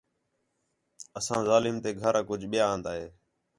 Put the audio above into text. اَساں ظالم تے گھر آ کُج ٻِیا آن٘دا ہِے